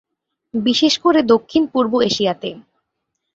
বিশেষ করে দক্ষিণপূর্ব এশিয়াতে।